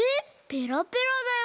ペラペラだよ？